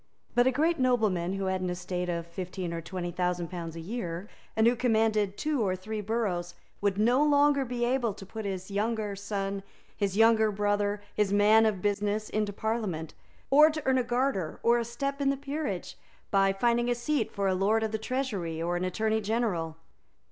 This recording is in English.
But a great nobleman, who had an estate of fifteen or twenty thousand pounds a year, and who commanded two or three boroughs, would no longer be able to put his younger son, his younger brother, his man of business, into Parliament, or to earn a garter or a step in the peerage by finding a seat for a Lord of the Treasury or an Attorney General.